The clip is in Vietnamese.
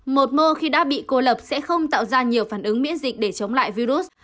một mơ khi đã bị cô lập sẽ không tạo ra nhiều phản ứng miễn dịch để chống lại virus